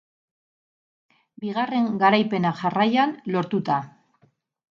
Bigarren garaipena jarraian, lortuta.